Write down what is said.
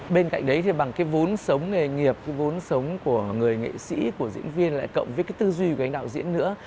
bên cạnh đấy thì bằng cái vốn sống nghề nghiệp cái vốn sống của người nghệ sĩ của diễn viên lại cộng với cái tư duy của anh đạo diễn nữa